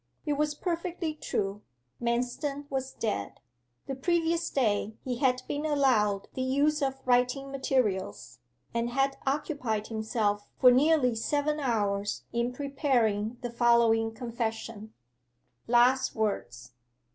It was perfectly true: Manston was dead. The previous day he had been allowed the use of writing materials, and had occupied himself for nearly seven hours in preparing the following confession: 'LAST WORDS.